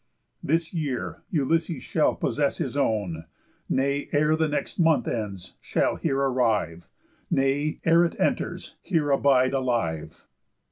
This year Ulysses shall possess his own, Nay ere the next month ends shall here arrive, Nay, ere it enters, here abide alive!"